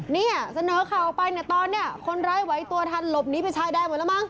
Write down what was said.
นี่เสนอเขาไปตอนนี้คนร้ายไว้ตัวทันลบนี้ไปใช้ได้หมดแล้วหรือไม่